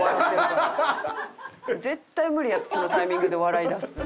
絶対無理やってそのタイミングで笑い出すの。